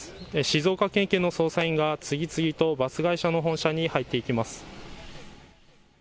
静岡県警の捜査員が次々とバス会社の本社に入っていきます。